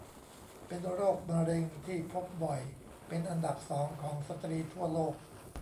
เป็นโรคมะเร็งที่พบบ่อยเป็นอันดับ สอง ของสตรีทั่วโลก